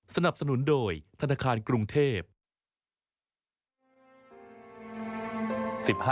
สนับสนุนโดยธนาคารกรุงเทพ